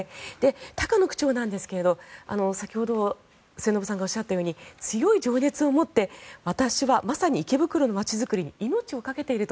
高野区長なんですが先ほど末延さんがおっしゃったように強い情熱を持って私はまさに池袋の街づくりに命を懸けていると。